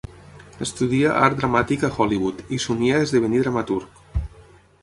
Estudia art dramàtic a Hollywood i somia esdevenir dramaturg.